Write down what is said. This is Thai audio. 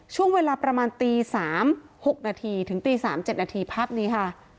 ช่วงเวลาประมาณตี๓๖นาทีถึงตี๓๗นาทีภาพนี้ค่ะ